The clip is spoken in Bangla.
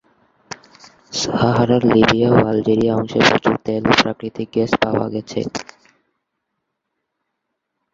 সাহারার লিবিয়া ও আলজেরিয়া অংশে প্রচুর তেল ও প্রাকৃতিক গ্যাস পাওয়া গেছে।